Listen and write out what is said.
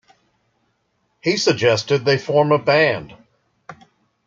He suggested they form a band.